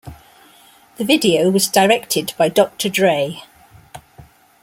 The video was directed by Doctor Dre.